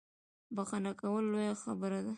بخښنه کول لویه خبره ده